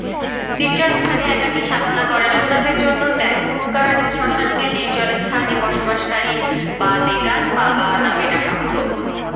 নির্জন স্থানে একাকী সাধনা করার সুনামের জন্য দ্বাং-ফ্যুগ-র্গ্যাল-ম্ত্শানকে নির্জন স্থানে বসবাসকারী বা দ্গোন-পা-বা নামে ডাকা হত।